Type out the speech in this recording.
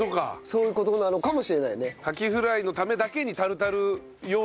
そういう事なのかもしれないよね。